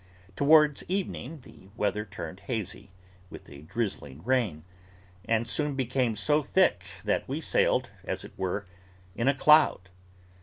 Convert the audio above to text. Towards evening, the weather turned hazy, with a drizzling rain; and soon became so thick, that we sailed, as it were, in a cloud.